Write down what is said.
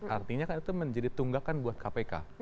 artinya kan itu menjadi tunggakan buat kpk